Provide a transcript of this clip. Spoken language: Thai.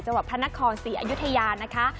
จังหวัดพระนครศรีอยุธยานะคะ